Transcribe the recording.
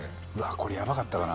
これやばかったかな